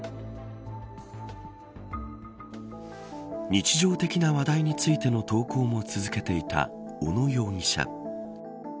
日常的な話題についての投稿も続けていた小野容疑者。